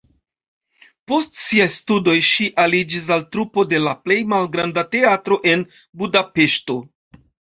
Post siaj studoj ŝi aliĝis al trupo de la plej malgranda teatro en Budapeŝto.